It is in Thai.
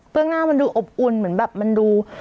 เรื่องหน้ามันดูอบอุ่นเหมือนแบบมันดู